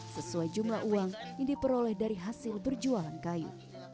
sesuai jumlah uang yang diperoleh dari hasil berjualan kayu